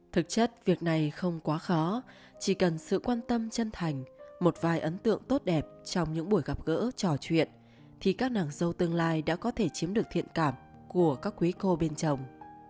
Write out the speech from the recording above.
thực chất việc này không quá khó chỉ cần sự quan tâm chân thành một vài ấn tượng tốt đẹp trong những buổi gặp gỡ trò chuyện thì các nàng dâu tương lai đã có thể chiếm được thiện cảm của các quý cô bên chồng